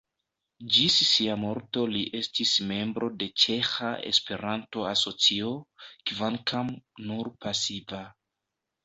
Ĝis sia morto li estis membro de Ĉeĥa Esperanto-Asocio, kvankam nur pasiva.